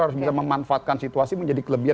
harus bisa memanfaatkan situasi menjadi kelebihan